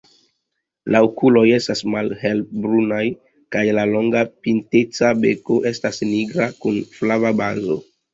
La okuloj estas malhelbrunaj kaj la longa, pinteca beko estas nigra kun flava bazo.